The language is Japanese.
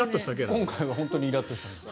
今回は本当にイラッとしてます。